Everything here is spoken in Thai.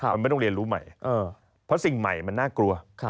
มันไม่ต้องเรียนรู้ใหม่เพราะสิ่งใหม่มันน่ากลัว